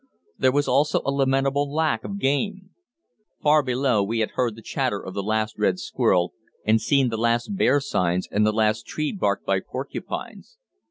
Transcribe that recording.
There was also a lamentable lack of game. Far below we had heard the chatter of the last red squirrel, and seen the last bear signs and the last tree barked by porcupines.